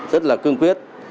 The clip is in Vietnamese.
rất là cương quyết